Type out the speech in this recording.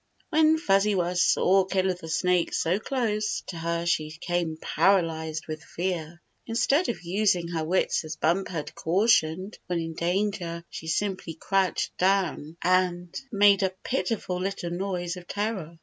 When Fuzzy Wuzz saw Killer the Snake so close to her she became paralyzed with fear. In stead of using her wits as Bumper had cautioned when in danger she simply crouched down, and made a pitiful little noise of terror.